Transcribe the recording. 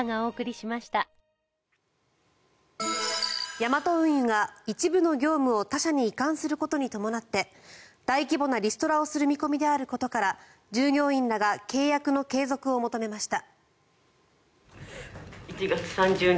ヤマト運輸が一部の業務を他社に移管することに伴って大規模なリストラをする見込みであることから従業員らが契約の継続を求めました。